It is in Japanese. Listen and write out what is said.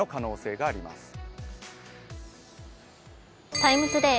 「ＴＩＭＥ，ＴＯＤＡＹ」